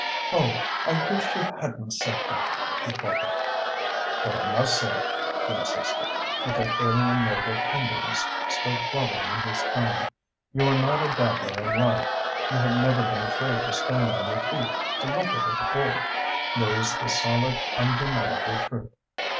"Oh, I wish you hadn't said that!" she faltered. "But I must say it," he insisted, with that alien note of tenderness still throbbing in his tone. "You are not a dabbler in life. You have never been afraid to stand on your feet, to look at it whole. There is the solid, undeniable truth.